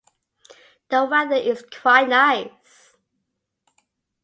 The weather is quite nice